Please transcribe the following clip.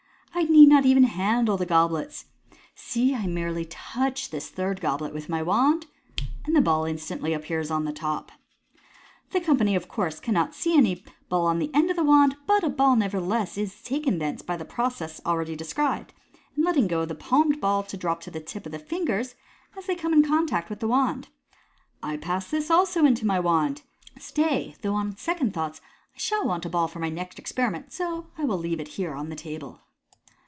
I need not even handle the goblets. See, I merely touch this third goblet with my wand, and the ball instantly appears on the top." The company, of course, cannot see any ball on the <;nd of the wand, but a ball is nevertheless taken thence by the process already described, of letting the palmed ball drop to the tips of the ringers, as they come in contact with the wand. " I pass this also into my wand. Stay, though, on second thoughts, I shall want a ball for my next experiment, so I will leave it here on the table."